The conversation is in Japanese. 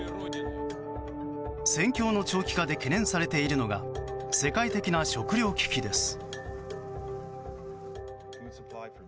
戦況の長期化で懸念されているのが世界的な食糧危機です。